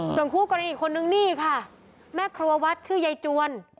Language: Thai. ส่วนคู่กรณีอีกคนนึงนี่ค่ะแม่ครัววัดชื่อยายจวน